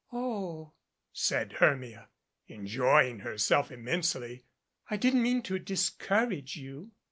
"Oh," said Hermia, enjoying herself immensely. "I didn't mean to discourage you."